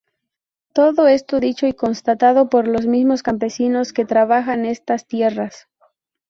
Todo esto dicho y constatado por los mismo campesinos que trabajan estas tierras.